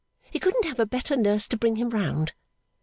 He couldn't have a better nurse to bring him round.